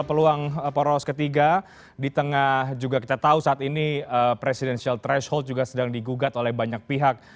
peluang poros ketiga di tengah juga kita tahu saat ini presidensial threshold juga sedang digugat oleh banyak pihak